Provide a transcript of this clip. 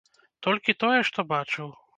Толькі тое, што бачыў.